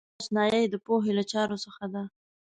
دا آشنایۍ د پوهې له چارو څخه ده.